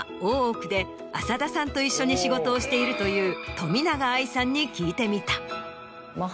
浅田さんと一緒に仕事をしているという冨永愛さんに聞いてみた。